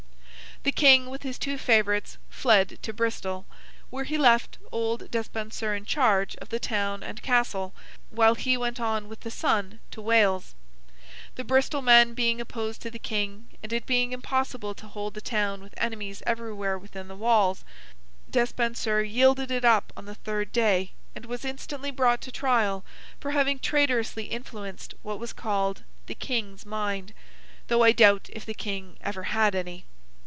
The King, with his two favourites, fled to Bristol, where he left old Despenser in charge of the town and castle, while he went on with the son to Wales. The Bristol men being opposed to the King, and it being impossible to hold the town with enemies everywhere within the walls, Despenser yielded it up on the third day, and was instantly brought to trial for having traitorously influenced what was called 'the King's mind'—though I doubt if the King ever had any.